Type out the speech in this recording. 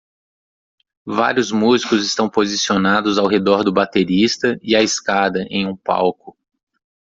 Vários músicos estão posicionados ao redor do baterista e a escada em um palco